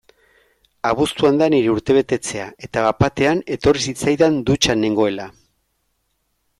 Abuztuan da nire urtebetetzea eta bat-batean etorri zitzaidan, dutxan nengoela.